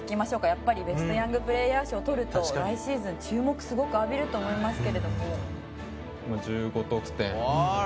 やっぱりベストヤングプレーヤー賞を取ると来シーズン注目すごく浴びると思いますけれども。